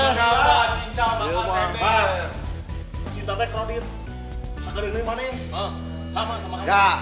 cinta dengan jiwa